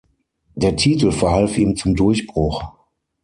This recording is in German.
Der Titel verhalf ihm zum Durchbruch.